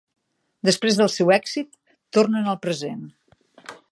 Després del seu èxit, tornen al present.